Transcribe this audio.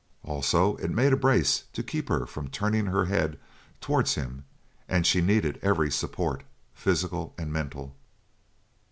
Also it made a brace to keep her from turning her head towards him, and she needed every support, physical and mental.